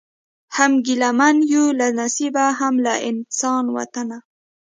هم ګیله من یو له نصیب هم له انسان وطنه